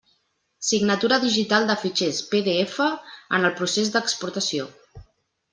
Signatura digital de fitxers PDF en el procés d'exportació.